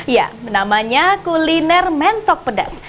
ya namanya kuliner mentok pedas